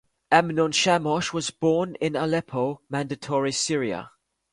Amnon Shamosh was born in Aleppo, Mandatory Syria.